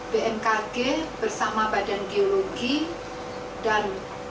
bmkg bersama badan geologi dan